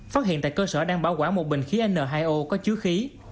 phát hiện tại cơ sở đang bảo quản một bình khí n hai o có chứa khí